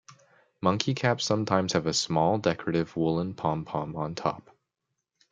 Monkey caps sometimes have a small, decorative, woollen pom-pom on top.